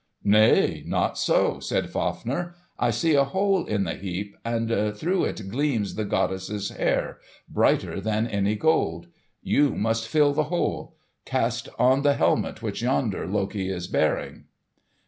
"Nay, not so," said Fafner. "I see a hole in the heap, and through it gleams the goddess's hair, brighter than any gold. You must fill the hole. Cast on the helmet which yonder Loki is bearing."